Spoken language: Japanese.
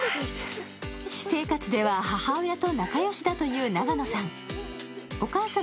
私生活では母親と仲良しだという永野さん。